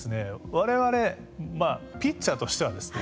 われわれピッチャーとしてはですね